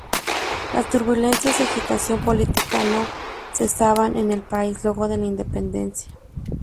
Las turbulencias y agitación política no cesaban en el país luego de la independencia.